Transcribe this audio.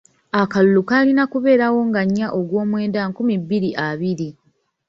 Akalulu kaalina kubeerawo nga nnya ogw'omwenda nkumi bbiri abiri.